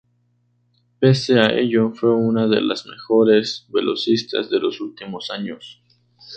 Pese a ello fue una de las mejores velocistas de los últimos años.